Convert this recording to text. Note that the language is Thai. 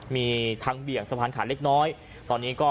มีทางเบี่ยงสะพานขาเล็กน้อยตอนนี้ก็